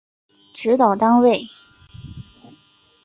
指导单位